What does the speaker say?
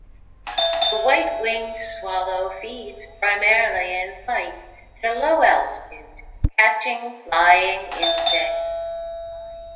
The white-winged swallow feeds primarily in flight at a low altitude, catching flying insects.